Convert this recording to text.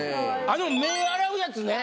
あの目洗うやつね。